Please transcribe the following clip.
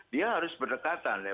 dia harus berdekatan ya